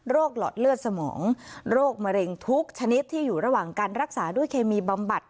หลอดเลือดสมองโรคมะเร็งทุกชนิดที่อยู่ระหว่างการรักษาด้วยเคมีบำบัด